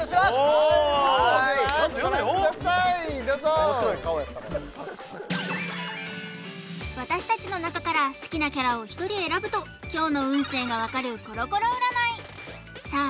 どうぞちゃんと読めよ面白い顔やったから私たちの中から好きなキャラを１人選ぶと今日の運勢がわかるコロコロ占いさあ